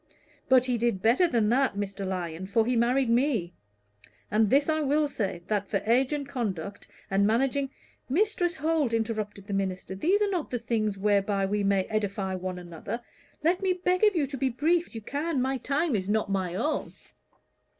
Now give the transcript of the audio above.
But he did better than that, Mr. Lyon, for he married me; and this I will say, that for age, and conduct, and managing " "Mistress Holt," interrupted the minister, "these are not the things whereby we may edify one another. Let me beg of you to be as brief as you can. My time is not my own."